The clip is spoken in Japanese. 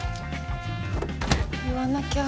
言わなきゃ。